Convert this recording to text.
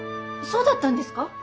そうだったんですか？